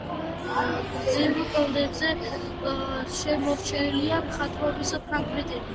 გრძივ კედლებზე შემორჩენილია მხატვრობის ფრაგმენტები.